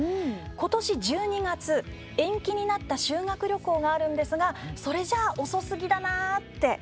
ことし１２月に延期になった修学旅行があるんですがそれじゃ遅すぎだなって。